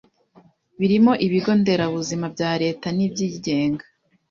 birimo ibigo nderabuzima bya Leta n’ibyigenga.